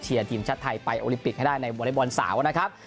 เชียร์ทีมชาติไทยไปโอลิมปิกให้ได้ในบริบันสาวนะครับ